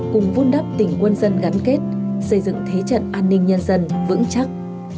cùng vun đắp tỉnh quân dân gắn kết xây dựng thế trận an ninh nhân dân vững chắc